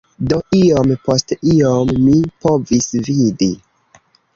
Do iom post iom mi povis vidi: